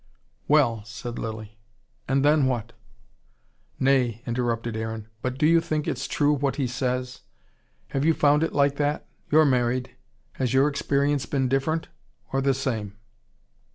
"Well," said Lilly. "And then what?" "Nay," interrupted Aaron. "But do you think it's true what he says? Have you found it like that? You're married. Has your experience been different, or the same?"